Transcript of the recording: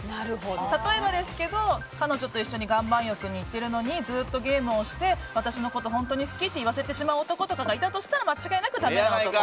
例えばですけど、彼女と一緒に岩盤浴に行ってるのにずっとゲームをして私のこと本当に好き？って言わせてしまう男がいたとしたら俺やないか！